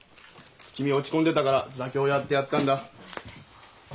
君落ち込んでたから座興やってやったんだ。